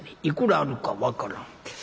いくらあるか分からん。